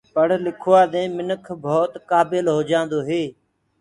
پڙه لکوآ دي منک ڀوت ڪآبل هوجآندو هي۔